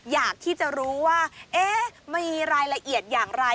อยากที่จะรู้ว่ามีรายละเอียดอย่างไร